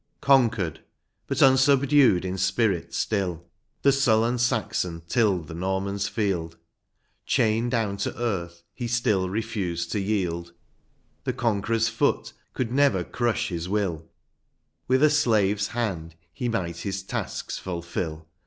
Conquered, but unsubdued in spirit still. The sullen Saxon tilled the Norman's field. Chained down to earth he still refused to yield, The conqueror's foot could never crush his will ; With a slave's hand he might his tasks fulfil.